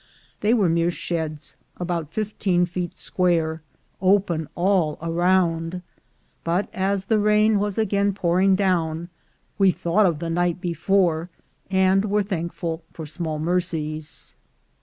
They were mere sheds about fifteen feet square, open all round; but as the rain was again pouring down, we thought of the night before, and were thankful for small mercies.